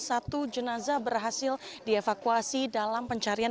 satu jenazah berhasil dievakuasi dalam pencarian